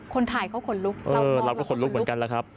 คนถ่ายเขาขนลุกเออเราก็ขนลุกเหมือนกันแหละครับ